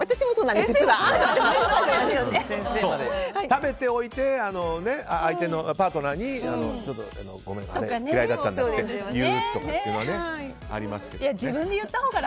食べておいて相手のパートナーにごめん、嫌いだったんだとか言うとかはありますが。